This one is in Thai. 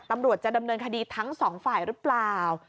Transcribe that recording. ตำรวจจะดำเนินคดีทั้งสองฝ่ายหรือเปล่า